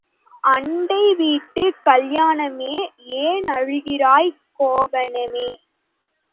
அண்டை வீட்டுக் கல்யாணமே, ஏன் அழுகிறாய் கோவணமே?